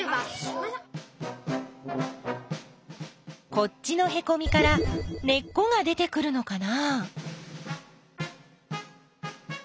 こっちのへこみから根っこが出てくるのかな？